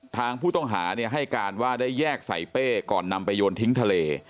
ทางผู้ต้องหาให้การว่าได้แยกใส่เป้ก่อนนำไปโยนทิ้งทะเล